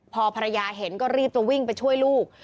พอภรรยาเห็นก็รีบจะวิ่งไปช่วยลูก